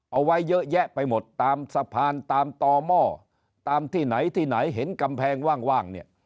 เอาไว้เยอะแยะไปหมดตามสะพานตามต่อหม้อตามที่ไหนที่ไหนเห็นกำแพงว่างเนี่ย